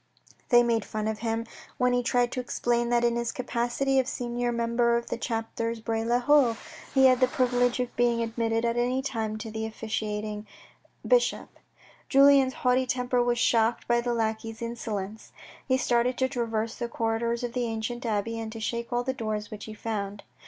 They made fun of him when he tried to explain that in his capacity of senior member of the chapter of Bray le Haut, he A KING AT VERRIERES 109 had the privilege of being admitted at any time to the officiat ing bishop. Julien's haughty temper was shocked by the lackeys' insolence. He started to traverse the corridors of the ancient abbey, and to shake all the doors which he found.